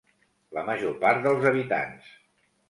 La major part dels habitants.